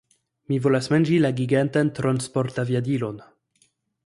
Mi volas manĝi la gigantan transportaviadilon!